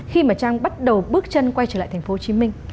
khi mà trang bắt đầu bước chân quay trở lại thành phố hồ chí minh